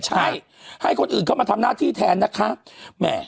ใช่ให้คนอื่นเข้ามันทำนาธิแทนนะคะแม่